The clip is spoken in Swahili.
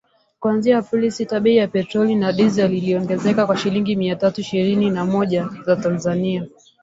kuanzia Aprili sita bei ya petroli na dizeli iliongezeka kwa shilingi mia tatu ishirini na moja za Tanzania